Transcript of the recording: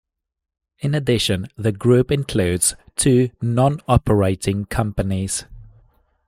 In addition, the group includes two non-operating companies.